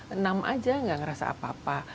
enam saja tidak merasa apa apa